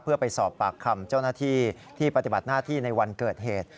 เพื่อไปสอบปากคำเจ้าหน้าที่ที่ปฏิบัติหน้าที่ในวันเกิดเหตุ